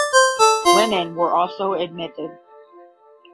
Women were also admitted.